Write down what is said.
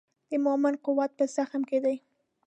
د مؤمن قوت په زغم کې دی.